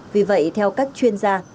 vì vậy theo các chuyên gia